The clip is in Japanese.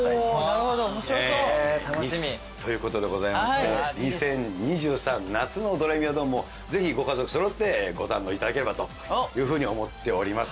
なるほど面白そう。ということでございまして２０２３夏の『ドレミファドン！』もぜひご家族揃ってご堪能いただければというふうに思っております。